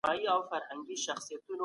یو بل قوي قوم حمله کوي.